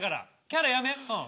キャラやめうん。